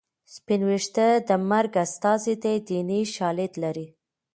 سپین ویښته د مرګ استازی دی دیني شالید لري